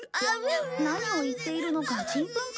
何を言っているのかチンプンカンプンだ。